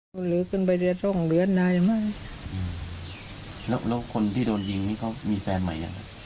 หลือขึ้นไปเรือทรงเรือนายมากแล้วคนที่โดนยิงนี่เขามีแฟนใหม่อ่ะ